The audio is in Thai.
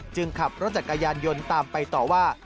ขับรถจักรยานยนต์ตามไปต่อว่า